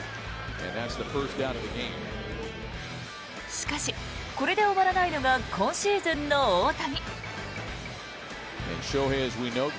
しかし、これで終わらないのが今シーズンの大谷。